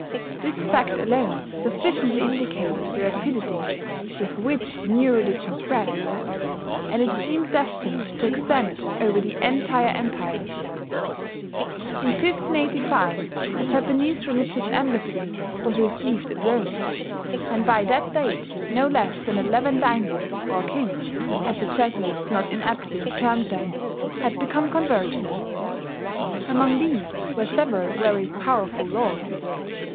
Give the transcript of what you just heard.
This fact alone sufficiently indicates the rapidity with which the new religion spread; and it seemed destined to extend over the entire empire. In 1585 a Japanese religious embassy was received at Rome; and by that date no less than eleven daimyo, or "kings," as the Jesuits not inaptly termed them had become converted. Among these were several very powerful lords.